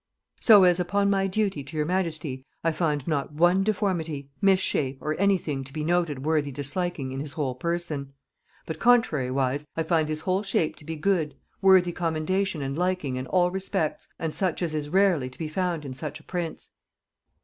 "So as, upon my duty to your majesty, I find not one deformity, mis shape, or any thing to be noted worthy disliking in his whole person; but contrariwise, I find his whole shape to be good, worthy commendation and liking in all respects, and such as is rarely to be found in such a prince.